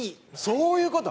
そういう事？